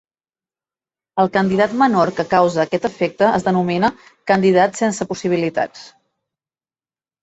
El candidat menor que causa aquest efecte es denomina "candidat sense possibilitats".